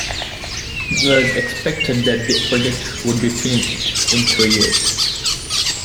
It was expected that the project would be finished in three years.